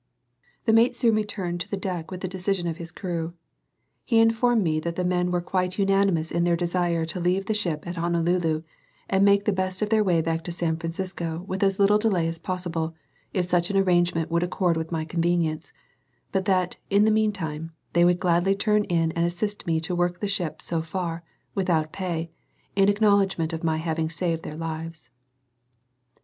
The mate soon returned to the deck with the decision of his crew. He informed me that the men were quite unanimous in their desire to leave the ship at Honolulu, and make the best of their way back to San Francisco with as little delay as possible, if such an arrangement would accord with my convenience; but that, in the mean time, they would gladly turn to and assist me to work the ship so far, without pay, in acknowledgment of my having saved their lives.